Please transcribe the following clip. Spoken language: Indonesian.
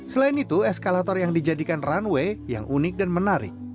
selain itu eskalator yang dijadikan runway yang unik dan menarik